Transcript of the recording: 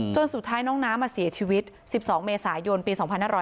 สุดท้ายน้องน้ำมาเสียชีวิต๑๒เมษายนปี๒๕๖๐